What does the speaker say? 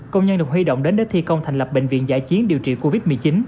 công nhân được huy động đến để thi công thành lập bệnh viện giải chiến điều trị covid một mươi chín